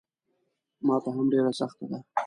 ماته هم ډېره سخته ده.